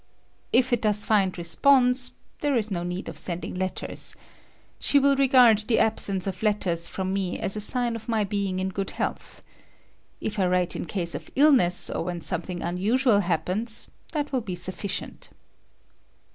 If it does find response, there is no need of sending letters. She will regard the absence of letters from me as a sign of my being in good health. If I write in case of illness or when something unusual happens, that will be sufficient.